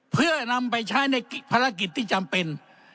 เพื่อนำไปใช้ในภารกิจที่จำเป็น